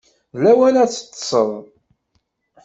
D lawan ad teṭṭseḍ.